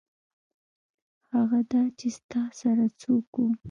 هغه دا چې ستا سره څوک وو.